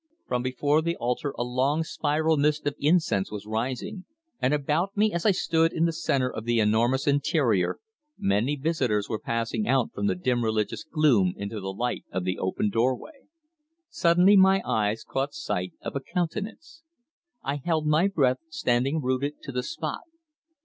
From before the altar a long spiral mist of incense was rising, and about me as I stood in the centre of the enormous interior, many visitors were passing out from the dim religious gloom into the light of the open doorway. Suddenly my eyes caught sight of a countenance. I held my breath, standing rooted to the spot.